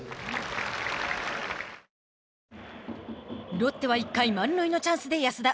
ロッテは１回満塁のチャンスで安田。